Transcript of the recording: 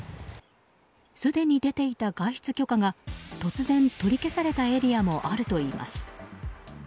すでに出ていた外出許可が突然、取り消されたエリアもあるといいます。